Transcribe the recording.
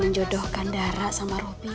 soalnya huoraka malu adalah mother tua robin